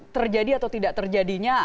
terjadi atau tidak terjadinya